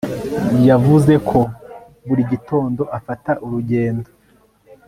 Yavuze ko buri gitondo afata urugendo